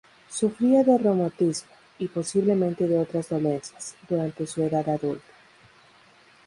Sufría de reumatismo, y posiblemente de otras dolencias, durante su edad adulta.